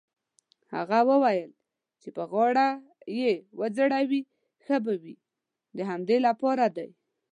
هغه وویل: چې په غاړه يې وځړوې ښه به وي، د همدې لپاره دی.